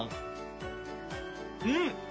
うん！